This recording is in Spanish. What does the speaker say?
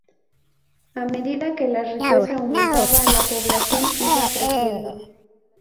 A medida que la riqueza aumentaba, la población iba creciendo.